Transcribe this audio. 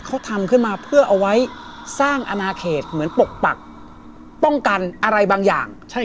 เขาทำขึ้นมาเพื่อเอาไว้สร้างอนาเขตเหมือนปกปักป้องกันอะไรบางอย่าง